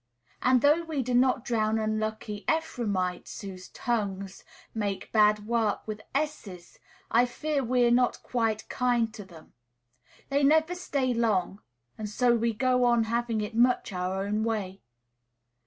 And, though we do not drown unlucky Ephraimites, whose tongues make bad work with S's, I fear we are not quite kind to them; they never stay long, and so we go on having it much our own way.